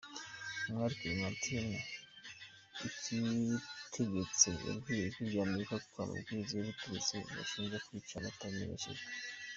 Umwali Clementine Icyitegetse yabwiye Ijwi ry’Amerika ko amabwiriza ubutegetsi bubashinja kwica batayamenyeshejwe.